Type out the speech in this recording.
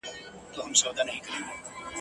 ملنګه ! تور د سترګو وایه څرنګه سپینېږي !.